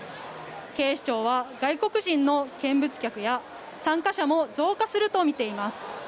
警視庁は外国人の見物客や参加者も増加するとみています。